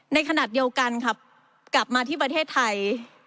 ในขณะเดียวกันครับกลับมาที่ประเทศไทย